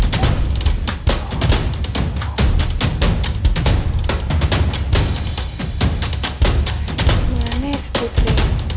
gimana sih putri